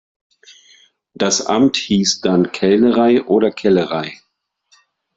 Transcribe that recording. Das Amt hieß dann Kellnerei oder Kellerei.